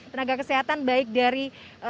tenaga kesehatan baik dari